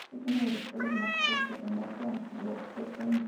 Es uno de los pueblos más históricos del Norte Antioqueño.